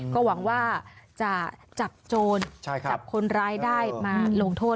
ก็หวังว่าจะจับโจรจับคนร้ายได้มาลงโทษ